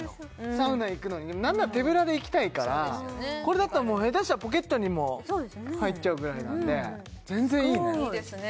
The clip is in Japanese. サウナ行くのに何なら手ぶらで行きたいからこれだったら下手したらポケットにも入っちゃうぐらいなんで全然いいねいいですね